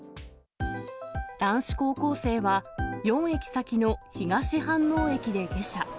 男子高校生は、４駅先の東飯能駅で下車。